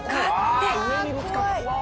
あ上にぶつかった。